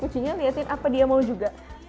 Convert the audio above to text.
kucingnya liatin apa dia mau juga